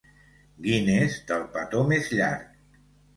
Guinness del petó més llarg.